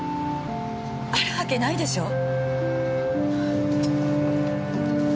あるわけないでしょう！